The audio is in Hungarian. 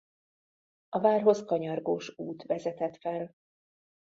A várhoz kanyargós út vezetett fel.